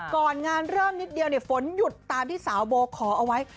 ก่อนงานเริ่มนิดเดียวฝนหยุดตามที่สาวโบขอเอาไว้